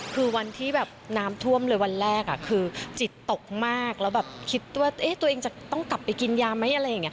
คือวันที่แบบน้ำท่วมเลยวันแรกคือจิตตกมากแล้วแบบคิดว่าตัวเองจะต้องกลับไปกินยาไหมอะไรอย่างนี้